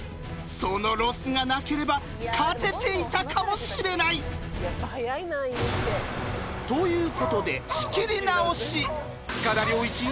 そのロスがなければ勝てていたかもしれない。ということで塚田僚一